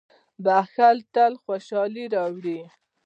• بښل تل خوشالي راوړي.